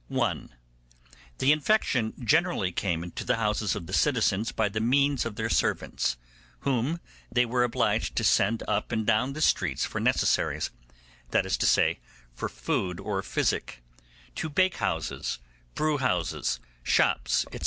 (1) The infection generally came into the houses of the citizens by the means of their servants, whom they were obliged to send up and down the streets for necessaries; that is to say, for food or physic, to bakehouses, brew houses, shops, &c.